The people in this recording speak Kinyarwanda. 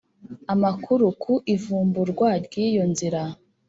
Amakuru ku ivumburwa ry’iyo nzira